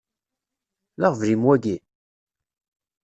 D aɣbel-im wagi?